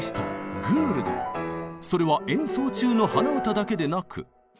それは演奏中の鼻歌だけでなく。